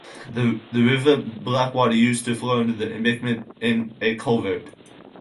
The River Blackwater used to flow under the embankment in a culvert.